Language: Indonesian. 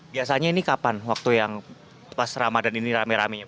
biasanya ini kapan waktu yang pas ramadhan ini rame rame